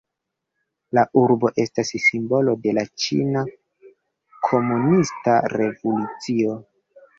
La urbo estas simbolo de la ĉina komunista revolucio.